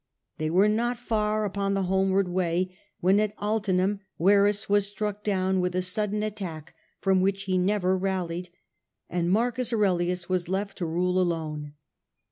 They were not far upon the homeward way when, at Altinum, Verus was struck down with a sudden attack, which is which he never rallied, and Marcus fatal to Aurelius was left to rule alone.